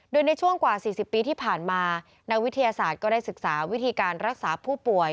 โดยในช่วงกว่า๔๐ปีที่ผ่านมานักวิทยาศาสตร์ก็ได้ศึกษาวิธีการรักษาผู้ป่วย